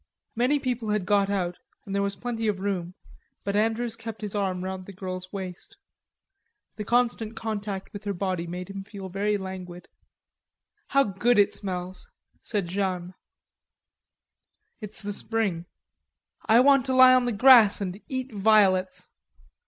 Many people had got out and there was plenty of room, but Andrews kept his arm round the girl's waist. The constant contact with her body made him feel very languid. "How good it smells!" said Jeanne. "It's the spring." "I want to lie on the grass and eat violets....